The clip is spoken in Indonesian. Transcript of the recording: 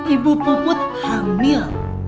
ibu puput hamil